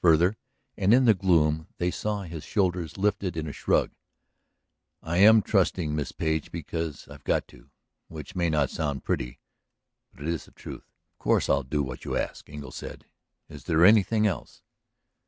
Further," and in the gloom they saw his shoulders lifted in a shrug, "I am trusting Miss Page because I've got to! Which may not sound pretty, but which is the truth." "Of course I'll do what you ask," Engle said. "Is there anything else?"